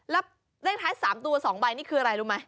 แล้วเลขท้าย๓ตัว๒ใบนี่คืออะไรรู้ไหม